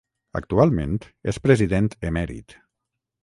Actualment és president emèrit.